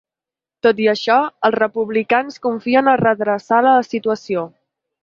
Tot i això, els republicans confien a redreçar la situació.